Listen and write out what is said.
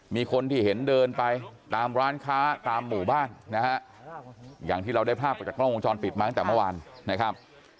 มีคนที่เห็นเดินไปตามร้านค้าตามหมู่บ้านนะฮะอย่างที่เราได้ภาพจากกล้องวงจรปิดมาตั้งแต่เมื่อวานนะครับ